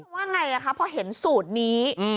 ว่าไงคะพอเห็นสูตรนี้